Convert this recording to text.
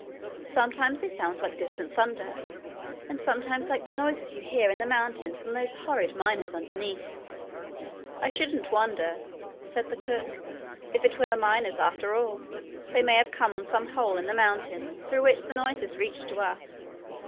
Sometimes they sound like distant thunder, and sometimes like the noises you hear in the mountain from those horrid miners underneath.' 'I shouldn't wonder,' said the cook, 'if it was the miners after all. They may have come on some hole in the mountain through which the noises reach to us.